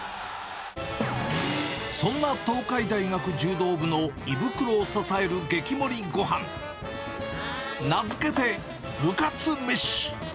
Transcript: そんな東海大学柔道部の胃袋を支える激盛りごはん。名付けて部活めし。